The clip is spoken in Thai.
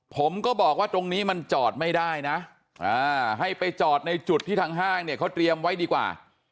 ผมก็บอกว่าตรงนี้มันจอดไม่ได้นะให้ไปจอดในจุดที่ทางห้างเนี่ยเขาเตรียมไว้ดีกว่า